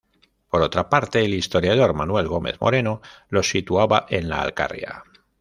Por otra parte el historiador Manuel Gómez-Moreno los situaba en La Alcarria.